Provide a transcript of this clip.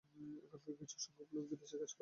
এখানকার কিছু সংখ্যক লোক বিদেশে কাজ করে থাকেন।